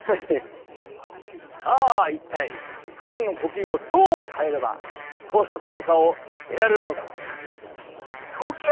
さあ一体ふだんの呼吸をどう変えればこうした効果を得られるのだろうか？